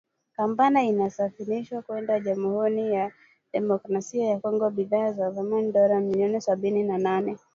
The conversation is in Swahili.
Kampala inasafirisha kwenda Jamuhuri ya Demokrasia ya Kongo bidhaa za thamani ya dola milioni sabini na nne